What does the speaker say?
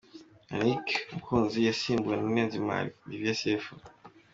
Yannick Mukunzi yasimbuwe na Niyonzima Olivier Sefu.